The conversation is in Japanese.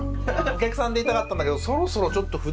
お客さんでいたかったんだけどそろそろちょっと筆